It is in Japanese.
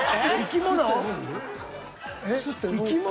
生き物？